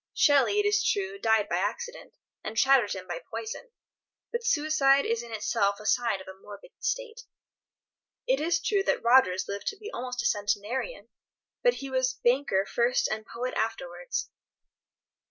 Shelley, it is true, died by accident, and Chatterton by poison, but suicide is in itself a sign of a morbid state. It is true that Rogers lived to be almost a centenarian, but he was banker first and poet afterwards.